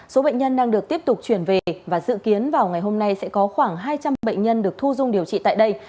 số bệnh nhân đang được tiếp tục chuyển về và dự kiến vào ngày hôm nay sẽ có khoảng hai trăm linh bệnh nhân được thu dung điều trị tại đây